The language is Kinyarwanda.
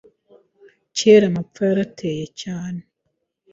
Kera amapfa yarateye cyane